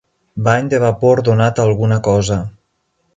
Bany de vapor donat a alguna cosa.